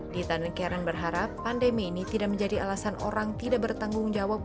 di tanah karen berharap pandemi ini tidak menjadi alasan orang tidak bertanggung jawab